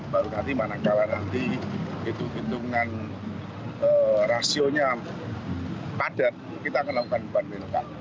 baru nanti mana kalah nanti itu hitungan rasionya padat kita akan melakukan bandingkan